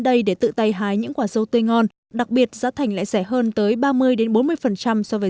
đây để tự tay hái những quả sâu tươi ngon đặc biệt giá thành lại rẻ hơn tới ba mươi bốn mươi so với